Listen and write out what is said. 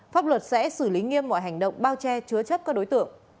pháp luật sẽ xử lý nghiêm mọi hành động bao che chứa chấp các đối tượng